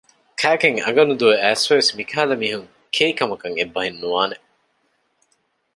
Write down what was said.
ކައިގެން އަނގަ ނުދޮވެ އައިސްފަވެސް މިކަހަލަ މީހުން ކެއިކަމަކަށް އެއްބަހެއް ނުވާނެ